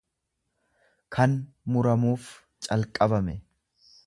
kan muramuuf calqabame.